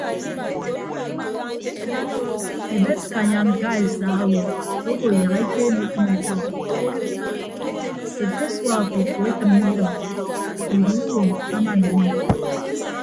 Eben ñkanya ñka esa owo obo yak ekeene ekịm ekọọñ ekpesua okuku etịmme idịm odu uwom aman imọ.